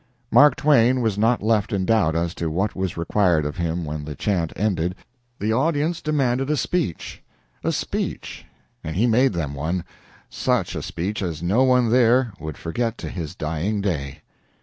Mark Twain was not left in doubt as to what was required of him when the chant ended. The audience demanded a speech a speech, and he made them one such a speech as no one there would forget to his dying day.